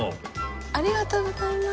ありがとうございます。